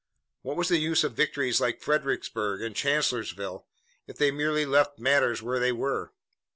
What was the use of victories like Fredericksburg and Chancellorsville, if they merely left matters where they were?